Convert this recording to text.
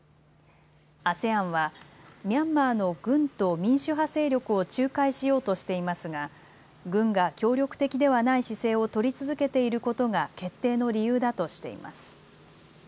ＡＳＥＡＮはミャンマーの軍と民主派勢力を仲介しようとしていますが軍が協力的ではない姿勢を取り続けていることが決定の理由だとしています。